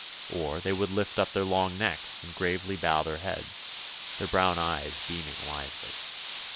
Or they would lift up their long necks and gravely bow their heads, their brown eyes beaming wisely.